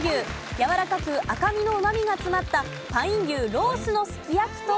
やわらかく赤身のうまみが詰まったパイン牛ロースのすき焼きと。